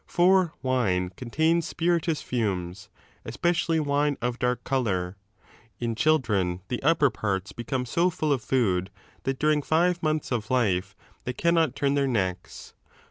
For wine contains spirituous fumes, especially '5 wine of dark colour. In children the upper parts become so full of food, that during five months of life they cannot turn their necks.